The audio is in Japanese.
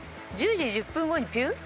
１０時１０分後にピュっ？